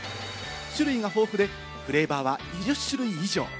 種類が豊富でフレーバーは２０種類以上。